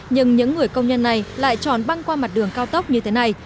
nhưng những người công nhân này lại tròn băng qua mặt đường cao tốc như thế này